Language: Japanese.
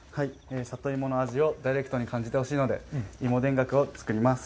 里芋の味をダイレクトに感じてほしいので、いも田楽を作ります。